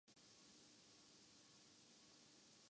currency format